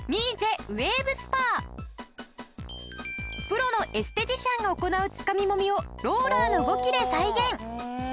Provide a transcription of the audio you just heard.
プロのエステティシャンが行うつかみもみをローラーの動きで再現。